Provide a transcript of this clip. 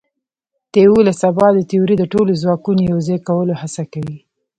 د یوولس ابعادو تیوري د ټولو ځواکونو یوځای کولو هڅه کوي.